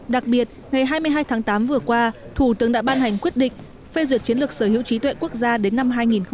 đặc biệt ngày hai mươi hai tháng tám vừa qua thủ tướng đã ban hành quyết định phê duyệt chiến lược sở hữu trí tuệ quốc gia đến năm hai nghìn ba mươi